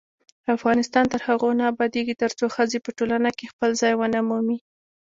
افغانستان تر هغو نه ابادیږي، ترڅو ښځې په ټولنه کې خپل ځای ونه مومي.